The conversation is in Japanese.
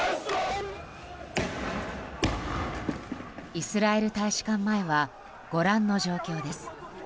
イスラエル大使館前はご覧の状況です。